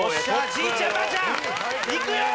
じいちゃんばあちゃんいくよ！